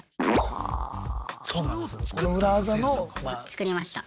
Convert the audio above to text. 作りました。